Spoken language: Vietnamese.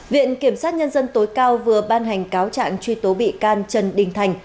viện kiểm sát nhân dân tối cao vừa ban hành cáo trạng truy tố bị can trần đình thành